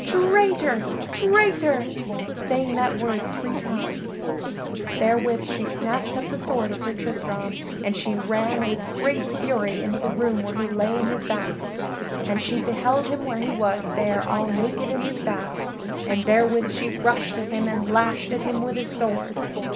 Traitor! Traitor!" saying that word three times. Therewith she snatched up the sword of Sir Tristram and she ran with great fury into the room where he lay in his bath. And she beheld him where he was there all naked in his bath, and therewith she rushed at him and lashed at him with his sword.